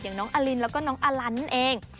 น้องอลินแล้วก็น้องอลันนั่นเอง